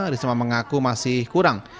risma mengaku masih kurang